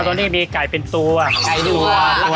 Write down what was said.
ตรงนี้มีไก่เป็นตัว